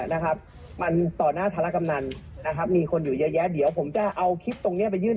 และผมว่านะครับไอ้ตัวล้อหัวหน้าภาร์คหมื่น